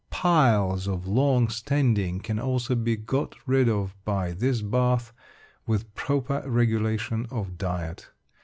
Piles of long standing can also be got rid of by this bath, with proper regulation of diet.